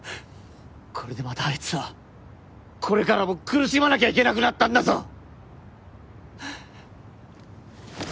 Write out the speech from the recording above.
これでまたあいつはこれからも苦しまなきゃいけなくなったんだぞ。